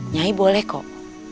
nyai boleh kok